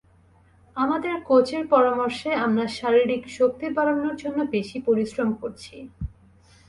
আমাদের কোচের পরামর্শে আমরা শারীরিক শক্তি বাড়ানোর জন্য বেশি পরিশ্রম করছি।